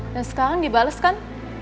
dan sekarang dibalas kan